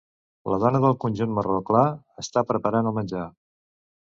La dona del conjunt marró clar està preparant el menjar.